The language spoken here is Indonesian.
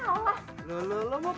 mas erwin datang